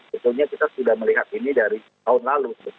sebetulnya kita sudah melihat ini dari tahun lalu